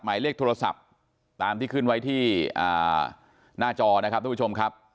หมายเลขโทรศัพท์ตามที่ขึ้นไว้ที่หน้าจอนะครับทุกผู้ชมครับ